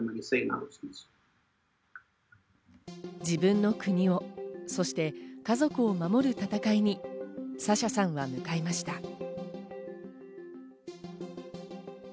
自分の国を、そして家族を守る戦いにサシャさんは向かいました。